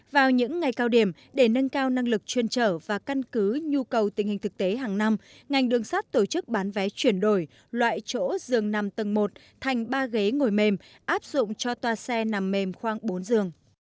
vào những ngày cao điểm để nâng cao năng lực chuyên trở và căn cứ nhu cầu tình hình thực tế hàng năm ngành đường sắt tổ chức bán vé chuyển đổi loại chỗ giường nằm tầng một thành ba ghế ngồi mềm áp dụng cho toa xe nằm mềm khoảng bốn giường